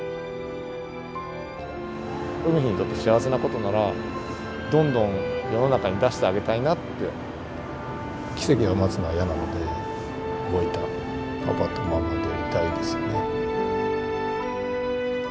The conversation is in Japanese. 海陽にとって幸せなことなら、どんどん世の中に出してあげたいなって、奇跡を待つのは嫌なので、動いたパパとママでいたいですね。